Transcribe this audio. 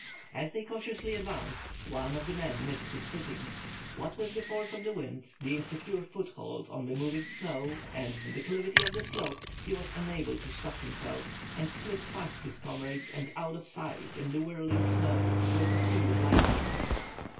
As they cautiously advanced, one of the men missed his footing. What with the force of the wind, the insecure foothold on the moving snow, and the declivity of the slope, he was unable to stop himself, and slipped past his comrades and out of sight in the whirling snow with the speed of lightning.